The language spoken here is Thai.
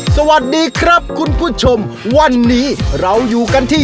สวัสดีครับคุณผู้ชมวันนี้เราอยู่กันที่